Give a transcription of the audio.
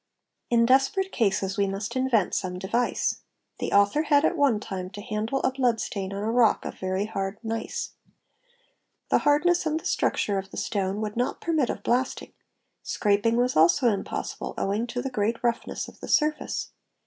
In desperate cases we must invent some device. The author had at "one time to handle a blood stain on a rock of very hard gneiss. The hard / ness and the structure of the stone would not permit of blasting, scraping "was also impossible owing to the great roughness of the surface.